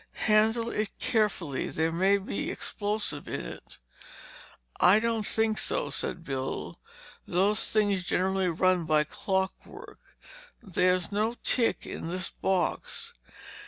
"Handle it carefully—there may be explosive in it." "I don't think so—" said Bill, "those things generally run by clockwork. There's no tick in this box."